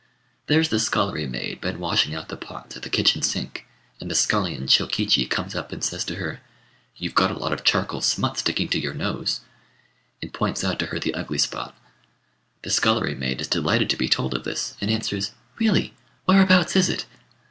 There's the scullery maid been washing out the pots at the kitchen sink, and the scullion Chokichi comes up and says to her, "You've got a lot of charcoal smut sticking to your nose," and points out to her the ugly spot. The scullery maid is delighted to be told of this, and answers, "Really! whereabouts is it?"